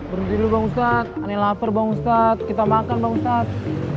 berdiri dulu bang ustadz aneh lapar bang ustadz kita makan bang ustadz